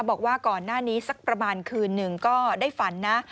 บอกว่าก่อนหน้านี้สักประมาณคืนหนึ่งก็ได้ฝันนะ